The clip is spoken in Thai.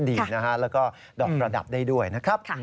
ดีนะฮะแล้วก็ดอกประดับได้ด้วยนะครับ